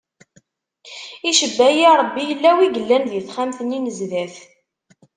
Icebba-yi Ṛebbi yella wi yellan di taxxamt-nni n zdat.